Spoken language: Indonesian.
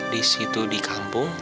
di situ di kampung